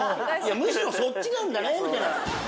むしろそっちなんだねみたいな。